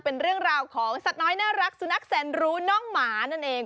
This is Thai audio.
เป็นเรื่องราวของสัตว์น้อยน่ารักสุนัขแสนรู้น้องหมานั่นเอง